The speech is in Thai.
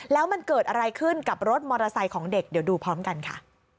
แล้วมันเกิดอะไรขึ้นกับรถมอเตอร์ไซค์ของเด็กเดี๋ยวดูพร้อมกันค่ะ